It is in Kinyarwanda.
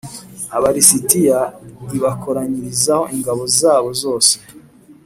Aba lisitiya i bakoranyiriza ingabo zabo zose